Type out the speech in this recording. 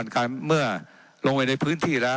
ว่าการกระทรวงบาทไทยนะครับ